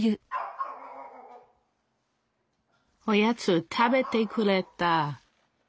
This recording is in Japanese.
おやつ食べてくれた！